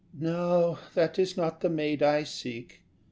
No, that is not the maid I seek.